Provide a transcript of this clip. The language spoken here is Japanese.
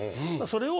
それを。